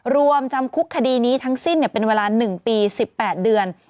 รวมจำคุกคดีนี้ทั้งสิ้นเป็นเวลา๑ปี๑๘เดือน